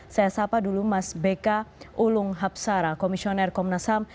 saya sapa dulu mas bk ulung hapsara komisioner komnas ham